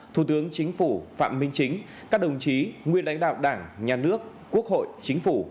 thủ tướng chính phủ phạm minh chính các đồng chí nguyên lãnh đạo đảng nhà nước quốc hội chính phủ